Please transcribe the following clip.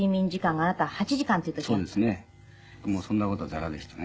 もうそんな事はザラでしたね。